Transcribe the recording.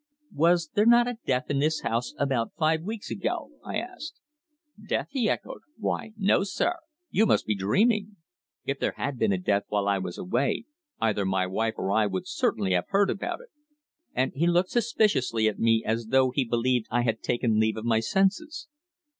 "Was there not a death in this house about five weeks ago?" I asked. "Death?" he echoed. "Why, no, sir. You must be dreaming. If there had been a death while I was away, either my wife or I would certainly have heard about it." And he looked suspiciously at me as though he believed I had taken leave of my senses.